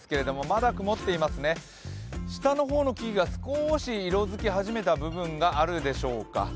まだ曇っていますね、下の方の木々が少し色づき始めた部分があるでしょうか。